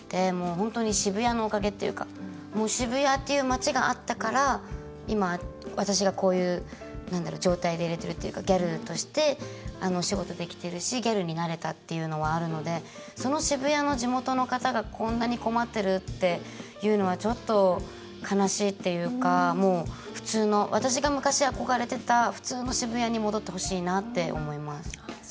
本当に渋谷のおかげっていうかもう渋谷っていう街があったから今、私が、こういう状態でいれてるっていうかギャルとして仕事できてるしギャルになれたっていうのはあるので、その渋谷の地元の方がこんなに困っているっていうのはちょっと悲しいっていうかもう普通の私が昔、憧れてた普通の渋谷に戻ってほしいなと思います。